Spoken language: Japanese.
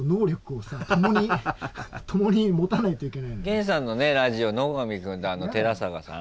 源さんのラジオ野上君と寺坂さん